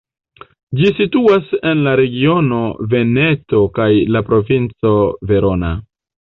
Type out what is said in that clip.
Ĝi situas en la regiono Veneto kaj la provinco Verona.